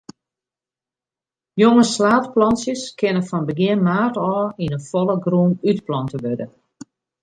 Jonge slaadplantsjes kinne fan begjin maart ôf yn 'e folle grûn útplante wurde.